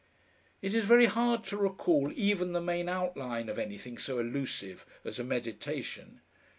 It is very hard to recall even the main outline of anything so elusive as a meditation.